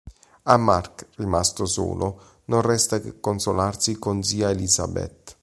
A Mark, rimasto solo, non resta che consolarsi con zia Elizabeth.